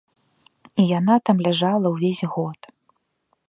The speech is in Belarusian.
І яна там ляжала ўвесь год.